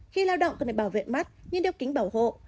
khi lao động cần phải bảo vệ mắt nhưng đeo kính bảo hộ